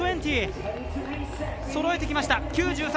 そろえてきました。